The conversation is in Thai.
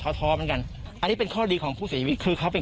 เขาท้อเหมือนกันอันนี้เป็นข้อดีของผู้เสียชีวิตคือเขาเป็น